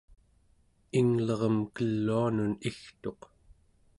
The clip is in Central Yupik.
inglerem keluanun igtuq